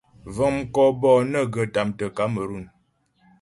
Vəŋ mkɔ bɔ'ɔ nə́ghə tâmtə Kamerun puŋ.